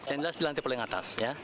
endless di lantai paling atas ya